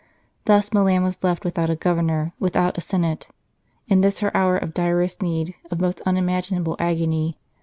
Thus Milan was left without a Governor, with out a Senate, in this her hour of direst need, of most unimaginable agony.